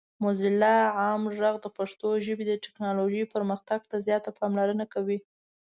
موزیلا عام غږ د پښتو ژبې د ټیکنالوجۍ پرمختګ ته زیاته پاملرنه کوي.